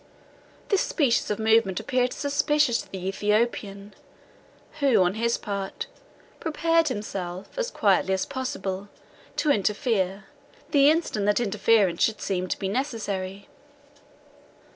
This species of movement appeared suspicious to the Ethiopian, who, on his part, prepared himself, as quietly as possible, to interfere, the instant that interference should seem to be necessary.